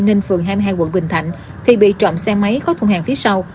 ninh phường hai mươi hai quận bình thạnh thì bị trộm xe máy có thu hàng phía sau